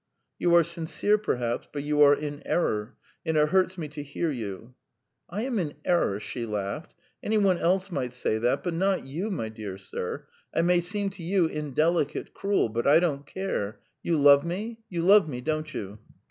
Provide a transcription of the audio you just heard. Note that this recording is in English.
"You are sincere, perhaps, but you are in error, and it hurts me to hear you." "I am in error?" she laughed. "Any one else might say that, but not you, my dear sir! I may seem to you indelicate, cruel, but I don't care: you love me? You love me, don't you?"